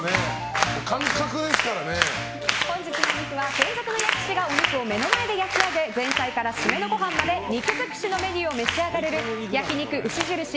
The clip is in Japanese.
本日のお肉は専属の焼き師がお肉を目の前で焼き上げ前菜から締めのごはんまで肉尽くしのメニューを召し上がれる焼肉牛印